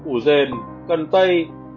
ủ rền cân tây